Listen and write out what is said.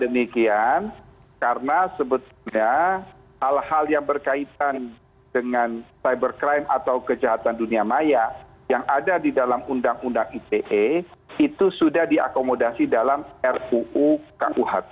demikian karena sebetulnya hal hal yang berkaitan dengan cybercrime atau kejahatan dunia maya yang ada di dalam undang undang ite itu sudah diakomodasi dalam ruu kuhp